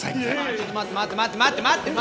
ちょっと待って待って待って待って！